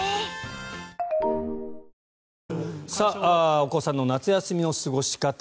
お子さんの夏休みの過ごし方。